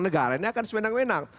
negara ini akan semenang menang